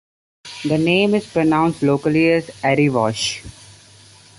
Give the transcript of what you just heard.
The name is pronounced locally as 'Erry-wash'.